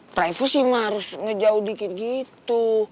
privacy mak harus ngejauh dikit gitu